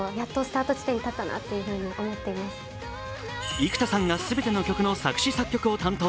幾田さんが全ての曲の作詞作曲を担当。